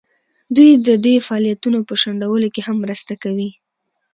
دوی د دې فعالیتونو په شنډولو کې هم مرسته کوي.